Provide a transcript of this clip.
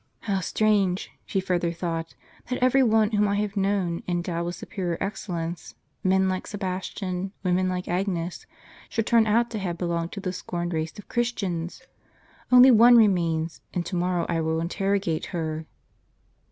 " How strange," she further thought, " that every one whom I have known endowed with superior excellence, men like Sebastian, women like Agnes, should turn out to have belonged to the scorned race of Christians ! One only remains, and to morrow I will interrogate her."